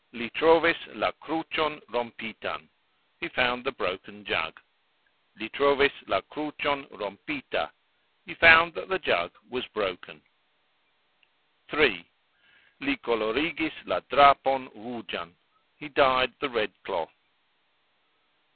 Li trovis la krucxon rompitan. He found the broken jug. Li trovis la krucxon rompita. He found (that) the jug (was) broken. 3. Li kolorigis la drapon rugxan. He dyed the red cloth.